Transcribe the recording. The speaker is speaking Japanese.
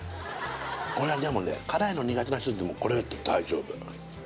これはでもね辛いの苦手な人でもこれ大丈夫